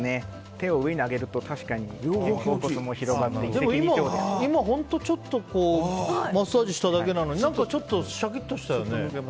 手を上に上げると確かに肩甲骨も広がって今、本当にちょっとマッサージしただけなのにちょっとシャキッとしたよね。